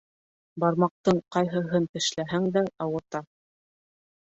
Бармаҡтың ҡайһыһын тешләһәң дә ауырта.